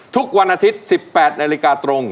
ทุกวันอาทิตย์๑๘นาฬิกาตรง